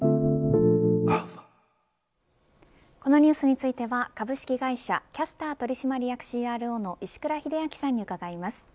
このニュースについては株式会社キャスター取締役ＣＲＯの石倉秀明さんに伺います。